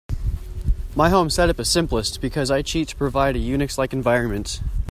My home set up is simplest, because I cheat to provide a UNIX-like environment.